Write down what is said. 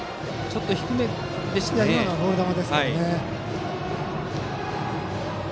今のはボール球でしたね。